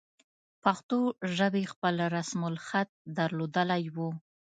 پښتو ژبې خپل رسم الخط درلودلی وو.